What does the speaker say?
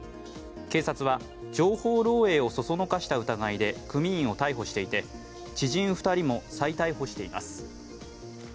警察は情報漏えいを唆した疑いで組員を逮捕していて知人２人も再逮捕しています。